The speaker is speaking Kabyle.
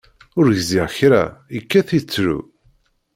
Ur gziɣ kra, ikkat ittru.